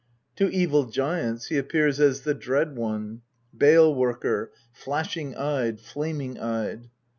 To evil giants he appears as the Dread One, Bale worker, Flashing eyed, Flaming eyed.